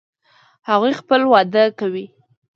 هغوی خپل واده کوي